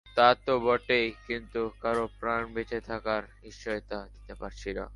তাতো বটেই, কিন্তু কারো প্রাণে বেঁচে থাকার নিশ্চয়তা দিতে পারছি না!